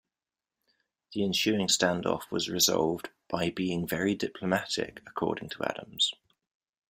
The ensuing standoff was resolved "by being very diplomatic," according to Adams.